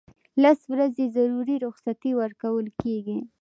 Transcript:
لس ورځې ضروري رخصتۍ ورکول کیږي.